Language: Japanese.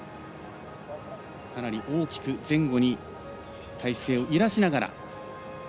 大きく前後に体勢を揺らしながら。